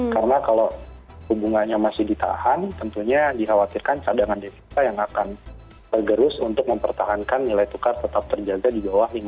karena kalau suku bunganya masih ditahan tentunya dikhawatirkan cadangan defensa yang akan bergerus untuk mempertahankan nilai tukar tetap terjaga di bawah lima belas